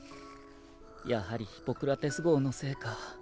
やはりヒポクラテス号のせいか。